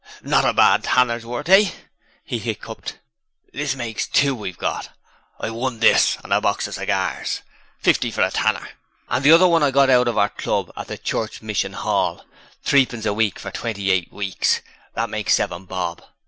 'Not a bad tanner's worth, eh?' he hiccoughed. 'This makes two we've got. I won this and a box of cigars fifty for a tanner, and the other one I got out of the Club at our Church Mission 'all: threepence a week for twenty eight weeks; that makes seven bob.